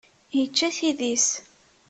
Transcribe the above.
Yečča tidi-s.